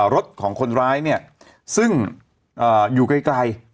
รถของคนร้ายซึ่งอยู่ใกล้